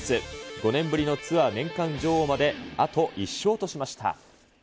５年ぶりのツアー年間女王まであと１勝としました。